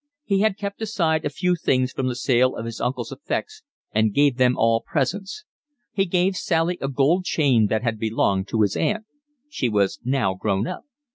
He had kept aside a few things from the sale of his uncle's effects and gave them all presents. He gave Sally a gold chain that had belonged to his aunt. She was now grown up.